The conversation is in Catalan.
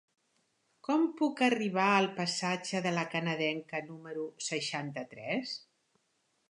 Com puc arribar al passatge de La Canadenca número seixanta-tres?